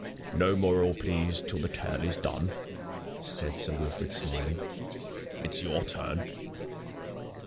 "No moral, please, till the tale is done," said Sir Wilfrid, smiling. "It's your turn."